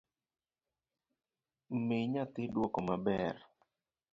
Mi nyathi duoko maber